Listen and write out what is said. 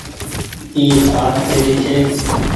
اي کآٽ ڪيري ڇي ۔